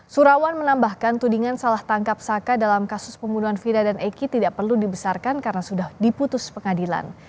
surawan menambahkan tudingan salah tangkap saka dalam kasus pembunuhan vida dan eki tidak perlu dibesarkan karena sudah diputus pengadilan